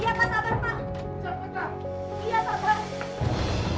pak itu tangannya kenapa